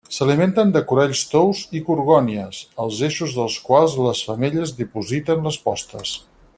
S'alimenten de coralls tous i gorgònies, als eixos dels quals les femelles dipositen les postes.